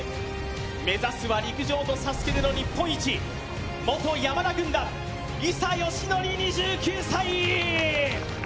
目指すは陸上とＳＡＳＵＫＥでの日本一、元山田軍団、伊佐嘉矩２９歳。